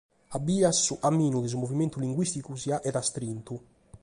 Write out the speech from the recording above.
A bias su caminu de su Movimentu Linguìsticu si faghet istrintu.